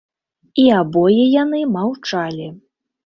І абое яны маўчалі.